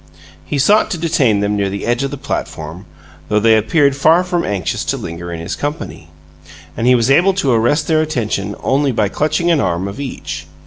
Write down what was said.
He sought to detain them near the edge of the platform, though they appeared far from anxious to linger in his company; and he was able to arrest their attention only by clutching an arm of each.